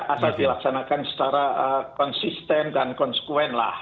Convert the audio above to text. asal dilaksanakan secara konsisten dan konsekuen lah